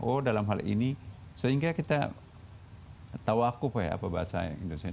oh dalam hal ini sehingga kita tawakub ya apa bahasa indonesia